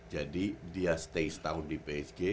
jadi dia stay setahun di psg